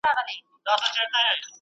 کار يې کوه خو هر څه يې پر ځان مه وړه .